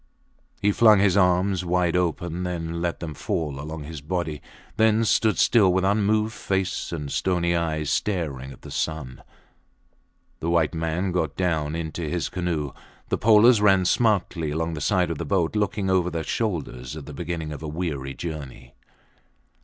He flung his arms wide open, let them fall along his body, then stood still with unmoved face and stony eyes, staring at the sun. The white man got down into his canoe. The polers ran smartly along the sides of the boat, looking over their shoulders at the beginning of a weary journey.